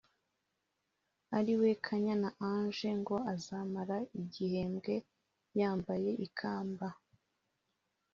ari we Kanyana Angel ngo azamara igihembwe yambaye ikamba